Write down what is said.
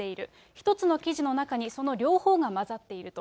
一つの記事の中にその両方が混ざっていると。